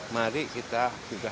mari kita juga hentikan